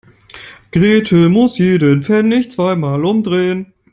Grete muss jeden Pfennig zweimal umdrehen.